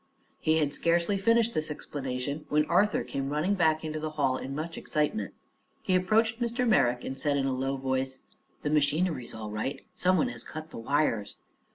He had scarcely finished this explanation when Arthur came running back into the hall in much excitement. He approached Mr. Merrick and said in a low voice: "The machinery is all right, sir. Some one has cut the wires."